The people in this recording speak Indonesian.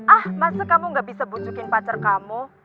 ah masa kamu gak bisa bujukin pacar kamu